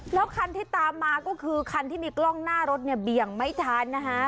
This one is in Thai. แล้วคันที่ตามมาก็คือคันที่มีกล้องหน้ารถเนี่ยเบี่ยงไม่ทันนะคะ